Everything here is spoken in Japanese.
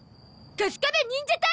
カスカベ忍者隊！